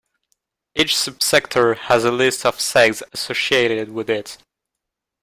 Each subsector has a list of segs associated with it.